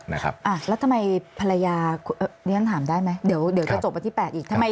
แล้วทำไมภรรยาเรียนถามได้ไหมเดี๋ยวจะจบวันที่๘อีกทำไม